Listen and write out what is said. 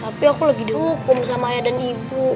tapi aku lagi dihukum sama ayah dan ibu